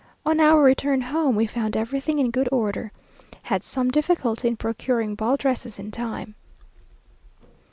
On our return home, we found everything in good order. Had some difficulty in procuring ball dresses in time.